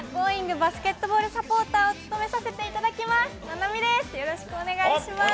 バスケットボールサポーターを務めさせていただきます菜波です。